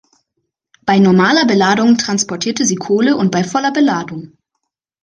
Bie normaler Beladung transportierte sie Kohle und bei voller Beladung.